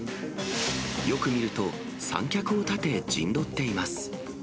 よく見ると、三脚を立て陣取っています。